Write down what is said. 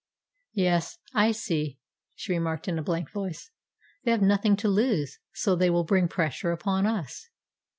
"Yes, I see," she remarked in a blank voice. "They have nothing to lose, so they will bring pressure upon us."